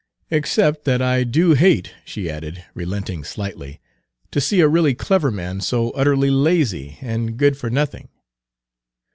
"Except that I do hate," she added, relenting slightly, "to see a really clever man so utterly lazy and good for nothing."